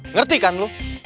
ngerti kan lo